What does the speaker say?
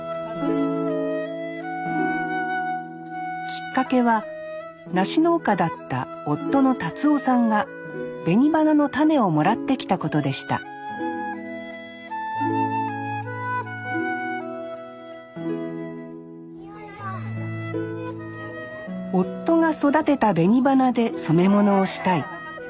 きっかけは梨農家だった夫の達男さんが紅花の種をもらってきたことでした夫が育てた紅花で染め物をしたい。